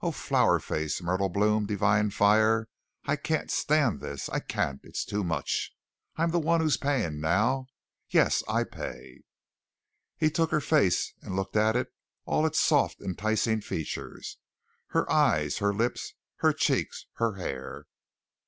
Oh, Flower Face, Myrtle Bloom, Divine Fire. I can't stand this. I can't. It's too much. I'm the one who is paying now. Yes, I pay." He took her face and looked at it, all its soft, enticing features, her eyes, her lips, her cheeks, her hair.